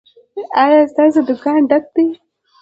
ایا ستاسو دکان ډک دی؟